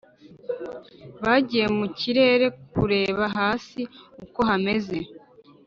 bagiye mu kirere kureba hasi uko hameze.